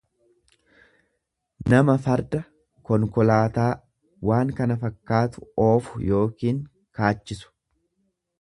nama farda, konkolaataa, waan kana fakkaatu. oofu yookiin kaachisu.